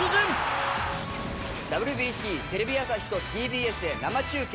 ＷＢＣテレビ朝日とＴＢＳで生中継。